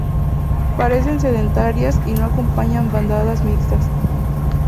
Parecen sedentarias y no acompañan bandadas mixtas.